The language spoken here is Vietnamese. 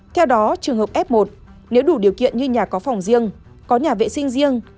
theo đó trường hợp f một nếu đủ điều kiện như nhà có phòng riêng có nhà vệ sinh riêng